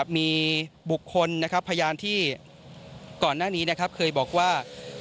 มีบุคคลพยานที่ก่อนหน้านี้เคยบอกว่า